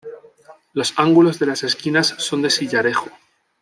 Los ángulos de las esquinas son de sillarejo.